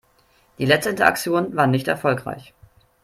Die letzte Interaktion war nicht erfolgreich.